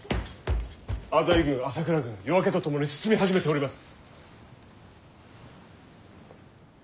浅井軍朝倉軍夜明けとともに進み始めております。